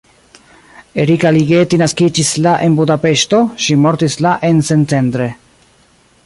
Erika Ligeti naskiĝis la en Budapeŝto, ŝi mortis la en Szentendre.